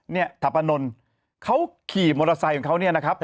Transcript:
ทัพพนนท์เขาขี่มอเตอร์ไซค์ของเขาเนี่ยนะครับ